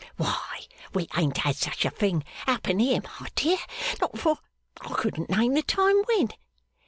Why, we ain't had such a thing happen here, my dear, not for I couldn't name the time when.